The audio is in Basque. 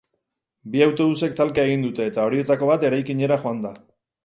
Bi autobusek talka egin dute, eta horietako bat eraikinera joan da.